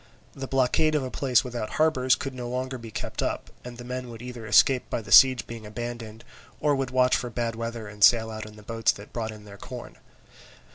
The blockade of a place without harbours could no longer be kept up; and the men would either escape by the siege being abandoned, or would watch for bad weather and sail out in the boats that brought in their corn.